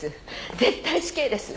絶対死刑です！